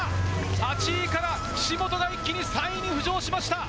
８位からきしもとが一気に３位に浮上しました。